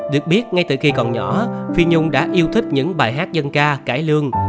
được biết ngay từ khi còn nhỏ phi nhung đã yêu thích những bài hát dân ca cải lương